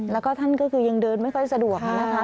แล้วก็ท่านก็คือยังเดินไม่ค่อยสะดวกนะคะ